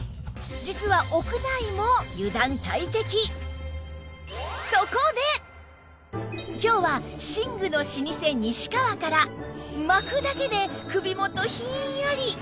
実は今日は寝具の老舗西川から巻くだけで首元ひんやり！